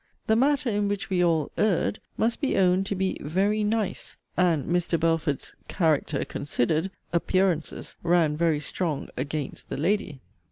The matter in which we all 'erred,' must be owned to be 'very nice'; and (Mr. Belford's 'character considered') 'appearances' ran very strong 'against the lady.'